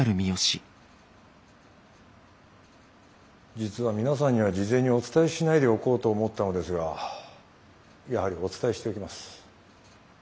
実は皆さんには事前にお伝えしないでおこうと思ったのですがやはりお伝えしておきます。